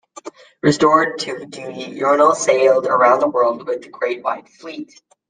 Restored to duty, Yarnell sailed around the world with the Great White Fleet.